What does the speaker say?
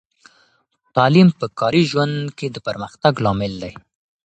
تعلیم په کاري ژوند کې د پرمختګ لامل دی.